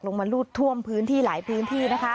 ลงมาลูดท่วมพื้นที่หลายพื้นที่